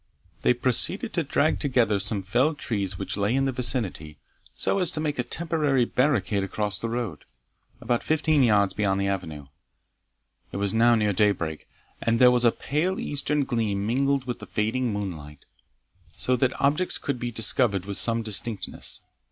They proceeded to drag together some felled trees which lay in the vicinity, so as to make a temporary barricade across the road, about fifteen yards beyond the avenue. It was now near daybreak, and there was a pale eastern gleam mingled with the fading moonlight, so that objects could be discovered with some distinctness.